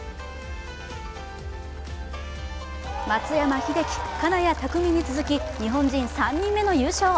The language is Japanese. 松山英樹、金谷拓実に続き、日本人３人目の優勝。